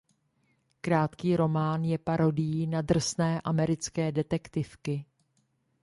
Krátký román je parodií na "drsné" americké detektivky.